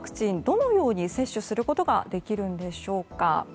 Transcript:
では、新たなワクチンどのように接種することができるんでしょうか。